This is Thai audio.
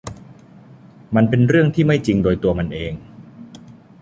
มันเป็นเรื่องที่ไม่จริงโดยตัวมันเอง